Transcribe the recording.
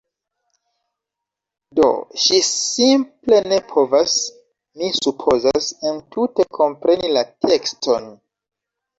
Do, ŝi simple ne povas... mi supozas entute kompreni la tekston